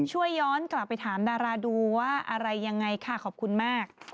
ย้อนกลับไปถามดาราดูว่าอะไรยังไงค่ะขอบคุณมาก